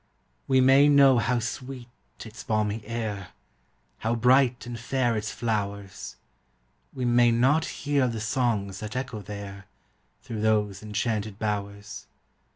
We may know how sweet its balmy air, How bright and fair its flowers; We may not hear the songs that echo there, Through those enchanted bowers.